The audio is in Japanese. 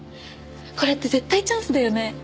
これって絶対チャンスだよね？